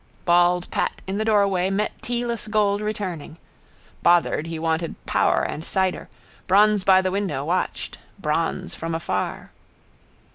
Bald Pat in the doorway met tealess gold returning. Bothered, he wanted Power and cider. Bronze by the window, watched, bronze from afar.